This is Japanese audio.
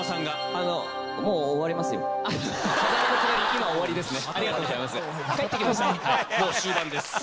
もう終盤です。